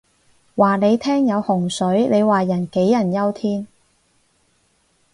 話你聽有洪水，你話人杞人憂天